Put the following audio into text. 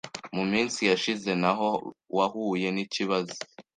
mu minsi yashize ntaho wahuye n’ikibazo